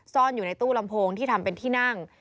ซ่อนอยู่ในตู้ลำโพงที่ทำเป็นที่นั่ง